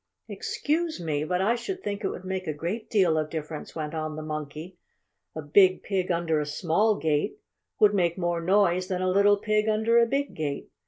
"Excuse me, but I should think it would make a great deal of difference," went on the Monkey. "A big pig under a small gate would make more noise than a little pig under a big gate.